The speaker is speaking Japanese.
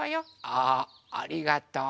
あありがとう。